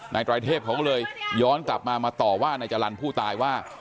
ตรเทพเขาก็เลยย้อนกลับมามาต่อว่านายจรรย์ผู้ตายว่า